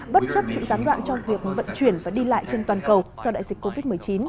bất chấp sự gián đoạn trong việc vận chuyển và đi lại trên toàn cầu do đại dịch covid một mươi chín